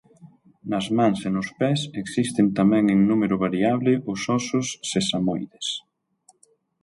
Nas mans e nos pés existen tamén en número variable os ósos sesamoides.